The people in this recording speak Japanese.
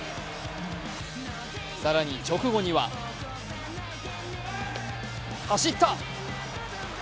更に直後には走った！